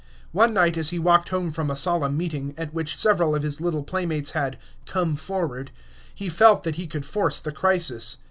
One night as he walked home from a solemn meeting, at which several of his little playmates had "come forward," he felt that he could force the crisis.